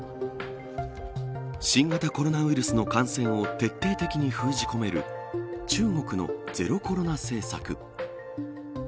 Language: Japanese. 新型コロナウイルスの感染を徹底的に封じ込める中国のゼロ・コロナ政策。